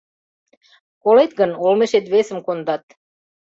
Колет гын, олмешет весым кондат.